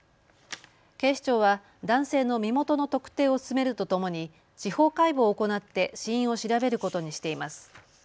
警視庁は男性の身元の特定を進めるとともに司法解剖を行って死因を調べることにしています。